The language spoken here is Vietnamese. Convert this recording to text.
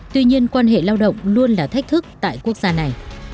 tuy nhiên quan hệ lao động luôn là thách thức tại quốc gia này